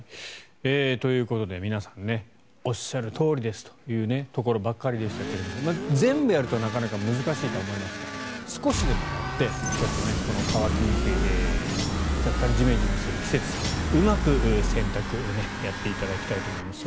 ということで皆さんおっしゃるとおりというところばかりでしたが全部やるのはなかなか難しいとは思いますが少しでもやってちょっと乾きにくい若干ジメジメする季節うまく洗濯やっていただきたいと思います。